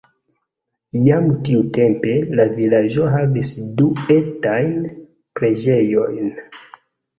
Jam tiutempe, la vilaĝo havis du etajn preĝejojn.